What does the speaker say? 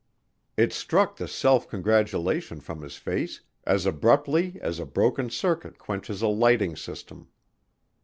It struck the self congratulation from his face as abruptly as a broken circuit quenches a lighting system.